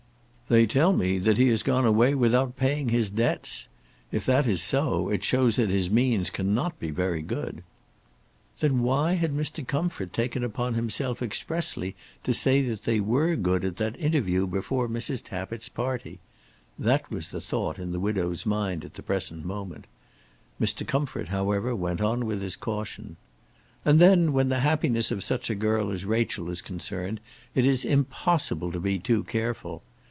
"They tell me that he has gone away without paying his debts. If that is so, it shows that his means cannot be very good." Then why had Mr. Comfort taken upon himself expressly to say that they were good at that interview before Mrs. Tappitt's party? That was the thought in the widow's mind at the present moment. Mr. Comfort, however, went on with his caution. "And then, when the happiness of such a girl as Rachel is concerned, it is impossible to be too careful.